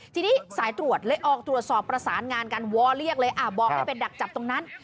ทีนี้สายตรวจเลยออกตรวจสอบประสานงานกันวอเรียกเลยบอกให้เป็นดักจับตรงนั้น